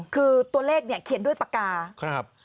คือตัวเลขเขียนด้วยปากกา